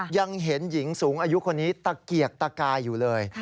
ยังเห็นหญิงสูงอายุคนนี้ตะเกียกตะกายอยู่เลย